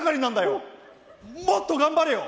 もっと頑張れよ！